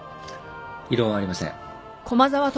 異論はありません。